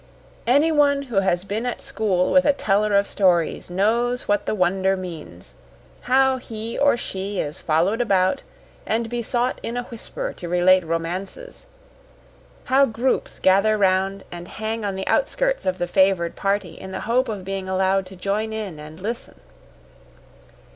Anyone who has been at school with a teller of stories knows what the wonder means how he or she is followed about and besought in a whisper to relate romances; how groups gather round and hang on the outskirts of the favored party in the hope of being allowed to join in and listen.